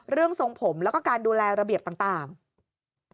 ทรงผมแล้วก็การดูแลระเบียบต่าง